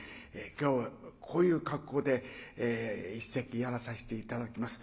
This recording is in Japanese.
今日こういう格好で一席やらさせて頂きます。